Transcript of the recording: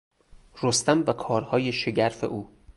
رستم و کارهای شگرف او